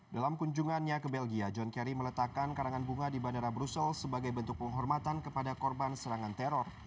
dalam kunjungannya ke belgia john kerry meletakkan karangan bunga di bandara brussel sebagai bentuk penghormatan kepada korban serangan teror